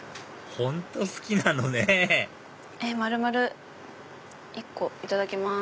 本当好きなのね丸々１個いただきます。